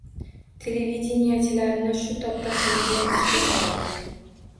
Televideniyechilarni shu topda qiynagan ikkita savol